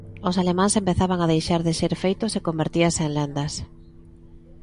Os alemáns empezaban a deixar de ser feitos e convertíanse en lendas.